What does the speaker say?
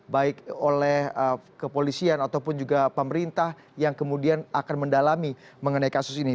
baik oleh kepolisian ataupun juga pemerintah yang kemudian akan mendalami mengenai kasus ini